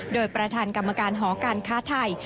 โดยประธานกรรมการหอการค้าไทย